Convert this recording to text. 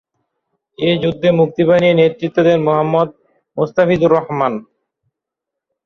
এই যুদ্ধে মুক্তিবাহিনীর নেতৃত্ব দেন মুহাম্মদ মুস্তাফিজুর রহমান।